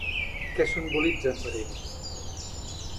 Què simbolitzaven per ell?